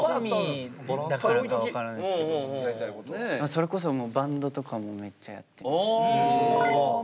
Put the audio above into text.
それこそバンドとかもめっちゃやってみたいなと思います。